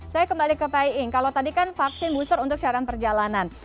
saya kembali ke pak iing kalau tadi kan vaksin booster untuk syarat perjalanan